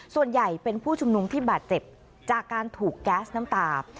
ส่วนใหญ่เป็นผู้ชุมนุมที่บาดเจ็บจากการถูกแก๊สน้ำตา